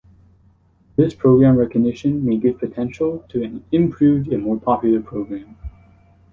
This program recognition may give potential to an improved and more popular program.